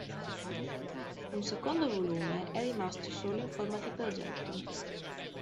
Un secondo volume è rimasto solo in forma di progetto.